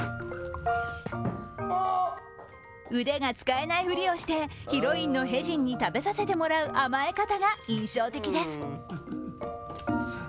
腕が使えないふりをして、ヒロインのヘジンに食べさせてもらう甘え方が印象的です。